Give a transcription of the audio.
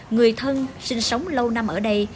người thân sinh sống lâu năm ở đây